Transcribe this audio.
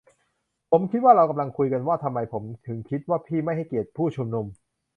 ผมคิดว่าเรากำลังคุยกันว่าทำไมผมถึงคิดว่าพี่ไม่ให้เกียรติผู้ชุมนุม